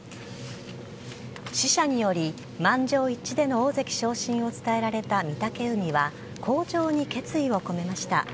使者により、満場一致での大関昇進を伝えられた御嶽海は、口上に決意を込めました。